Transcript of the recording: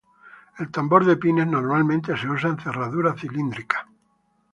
El tambor de pines normalmente se usa en cerraduras cilíndricas.